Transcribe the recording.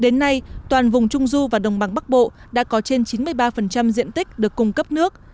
đến nay toàn vùng trung du và đồng bằng bắc bộ đã có trên chín mươi ba diện tích được cung cấp nước